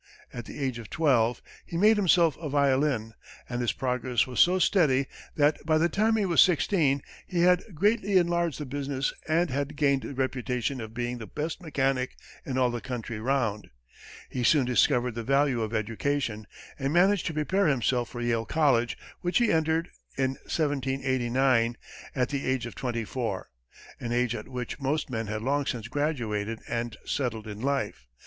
At the age of twelve, he made himself a violin, and his progress was so steady, that by the time he was sixteen, he had greatly enlarged the business and had gained the reputation of being the best mechanic in all the country round. He soon discovered the value of education, and managed to prepare himself for Yale College, which he entered in 1789, at the age of twenty four an age at which most men had long since graduated and settled in life.